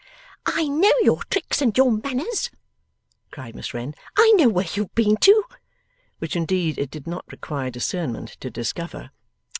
'I know your tricks and your manners,' cried Miss Wren. 'I know where you've been to!' (which indeed it did not require discernment to discover).